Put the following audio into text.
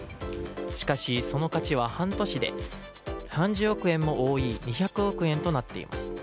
しかし、その価値は半年で３０億円も多い２００億円になっています。